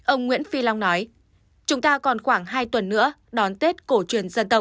ông nguyễn phi long nói chúng ta còn khoảng hai tuần nữa đón tết cổ truyền dân tộc